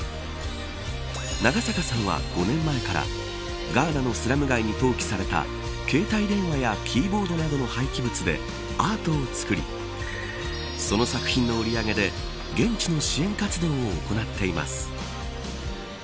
長坂さんは、５年前からガーナのスラム街に投棄された携帯電話やキーボードなどの廃棄物でアートを作りその作品の売り上げで現地の支援活動を行っています。